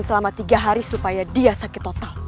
selama tiga hari supaya dia sakit total